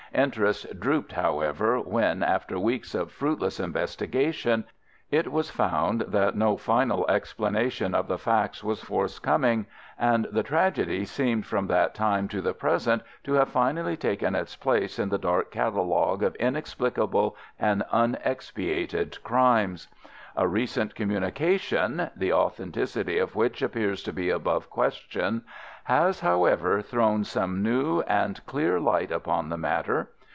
Interest drooped, however, when, after weeks of fruitless investigation, it was found that no final explanation of the facts was forthcoming, and the tragedy seemed from that time to the present to have finally taken its place in the dark catalogue of inexplicable and unexpiated crimes. A recent communication (the authenticity of which appears to be above question) has, however, thrown some new and clear light upon the matter.